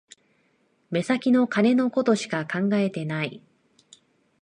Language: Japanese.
目先の金のことしか考えてない